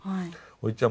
おじちゃん